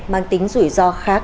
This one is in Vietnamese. mang tính rủi ro khác